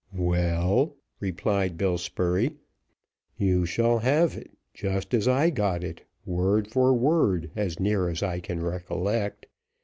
"Well," replied Bill Spurey, "you shall have it just as I got it word for word, as near as I can recollect.